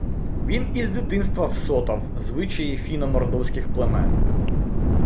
Він із дитинства всотав звичаї фіно-мордовських племен